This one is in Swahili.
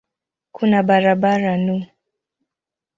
Kuna barabara no.